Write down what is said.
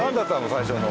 最初の。